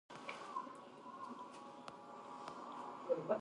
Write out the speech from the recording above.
خونړي الماسونه پېژندل شوي.